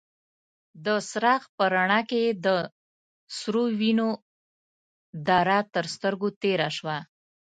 د څراغ په رڼا کې يې د سرو وينو داره تر سترګو تېره شوه.